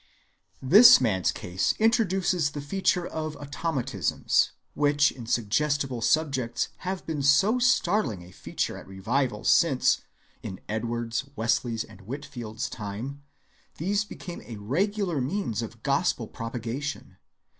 This man's case introduces the feature of automatisms, which in suggestible subjects have been so startling a feature at revivals since, in Edwards's, Wesley's, and Whitfield's time, these became a regular means of gospel propagation.